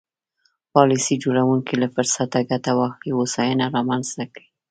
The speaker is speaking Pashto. پالیسي جوړوونکي له فرصته ګټه واخلي هوساینه به رامنځته شي.